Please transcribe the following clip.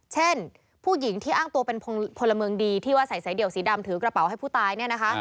เช่นผู้หญิงที่อ้างตัวเป็นพลเมืองดีที่ว่าใส่สายเดี่ยวสีดำถือกระเป๋าให้ผู้ตายเนี่ยนะคะ